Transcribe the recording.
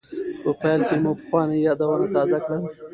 په پیل کې مو پخواني یادونه تازه کړل.